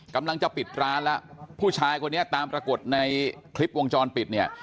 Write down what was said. กำลังจะปิดร้านแล้วผู้ชายคนนี้ตามปรากฏในคลิปวงจรปิดเนี่ย